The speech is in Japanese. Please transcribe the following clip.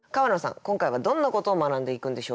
今回はどんなことを学んでいくんでしょうか。